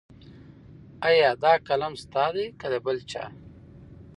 ایا دا قلم ستا دی که د بل چا؟